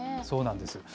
そうなんです。